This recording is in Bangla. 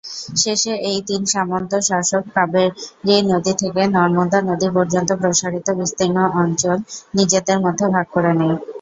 শেষে এই তিন সামন্ত শাসক কাবেরী নদী থেকে নর্মদা নদী পর্যন্ত প্রসারিত বিস্তীর্ণ অঞ্চল নিজেদের মধ্যে ভাগ করে নেয়।